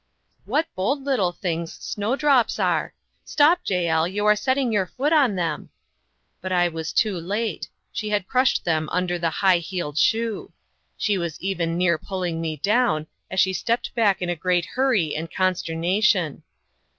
"What bold little things snowdrops are stop, Jael, you are setting your foot on them." But I was too late; she had crushed them under the high heeled shoe. She was even near pulling me down, as she stepped back in great hurry and consternation.